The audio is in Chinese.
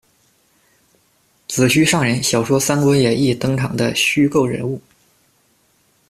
紫虚上人，小说《三国演义》登场的虚构人物。